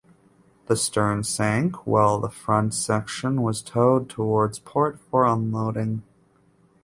The stern sank while the front section was towed towed to port for unloading.